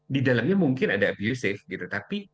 di dalamnya mungkin ada abusive gitu tapi